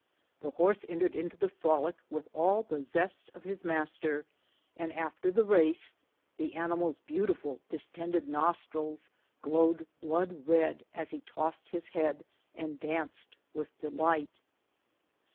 The horse entered into the frolic with all the zest of his master, and after the race the animal's beautiful, distended nostrils glowed blood red as he tossed his head and danced with delight.